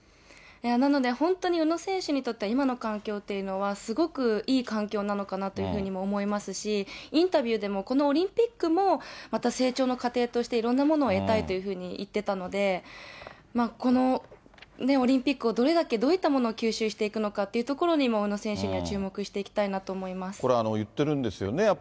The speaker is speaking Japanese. なので、本当に宇野選手にとっては、今の環境っていうのは、すごくいい環境なのかなというふうにも思いますし、インタビューでもこのオリンピックもまた成長の過程としていろんなものを得たいというふうに言ってたので、このオリンピックをどれだけ、どういったものを吸収していくのかというところにも宇野選手にはこれ、言ってるんですよね。